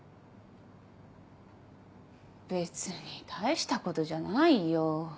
別に大したことじゃないよ。